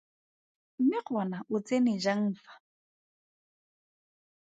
Mme gona o tsene jang fa?